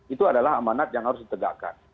itu adalah amanat yang harus ditegakkan